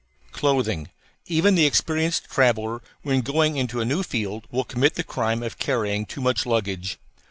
CLOTHING Even the experienced traveller when going into a new field will commit the crime of carrying too much luggage.